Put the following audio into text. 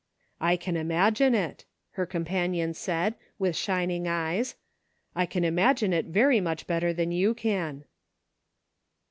" I can imagine it," her companion said, with shining eyes ;" I can imagine it very much better than you can."